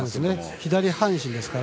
左半身ですから。